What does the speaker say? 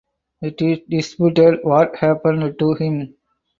It is disputed what happened to him.